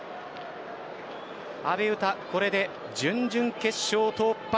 阿部詩、これで準々決勝突破。